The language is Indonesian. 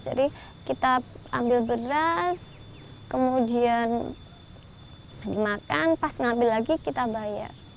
kita ambil beras kemudian dimakan pas ngambil lagi kita bayar